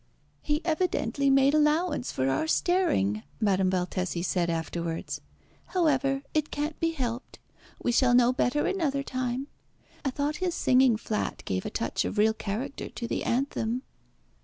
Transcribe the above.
"He evidently made allowance for our staring," Madame Valtesi said afterwards. "However, it can't be helped; we shall know better another time. I thought his singing flat gave a touch of real character to the anthem."